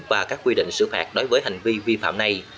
và các quy định xử phạt đối với hành vi vi phạm này